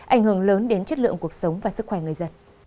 ảnh hưởng lớn đến chất lượng cuộc sống và sức khỏe người dân